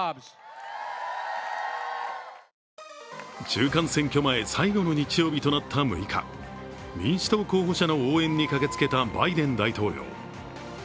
中間選挙前最後の日曜日となった６日、民主党候補者の応援に駆けつけたバイデン大統領。